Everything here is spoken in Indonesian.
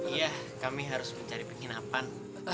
iya kami harus mencari penginapan